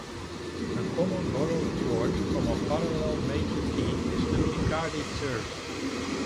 A common borrowed chord from a parallel major key is the Picardy third.